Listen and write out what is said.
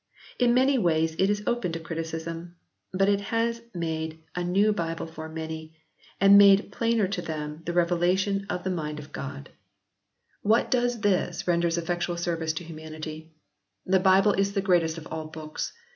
In many ways it is open to criticism, but it has made a new Bible for many, and made plainer to them the revelation of the mind of God. What does this vn] THE REVISED VERSION OF 1881 131 renders effectual service to humanity. The Bible is the greatest of all great books.